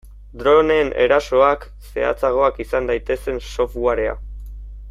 Droneen erasoak zehatzagoak izan daitezen softwarea.